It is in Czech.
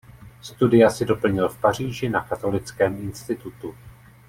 Studia si doplnil v Paříži na Katolickém institutu.